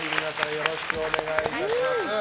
よろしくお願いします。